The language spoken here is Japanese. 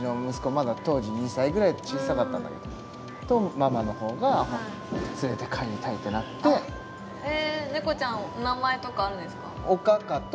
まだ当時２歳ぐらいで小さかったんだけどとママのほうが連れて帰りたいってなってへえ猫ちゃんお名前とかあるんですか？